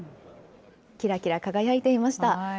きらきら輝いていました。